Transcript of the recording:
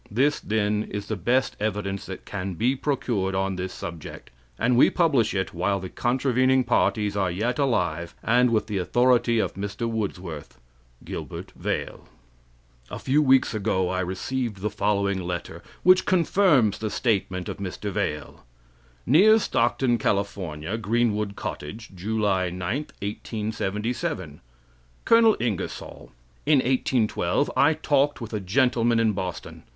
This, then, is the best evidence that can be procured on this subject, and we publish it while the contravening parties are yet alive, and with the authority of Mr. Woodsworth. Gilbert Vale" A few weeks ago I received the following letter, which confirms the statement of Mr. Vale: "Near Stockton, Cal., Greenwood Cottage, July 9. 1877. Col. Ingersoll: In 1812 I talked with a gentleman in Boston.